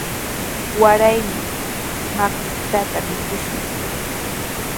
Waraymi matrkata mikushun.